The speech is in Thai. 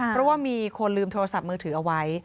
เพราะว่ามีคนลืมโทรศัพท์มือถือเอาไว้